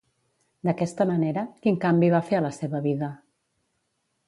D'aquesta manera, quin canvi va fer a la seva vida?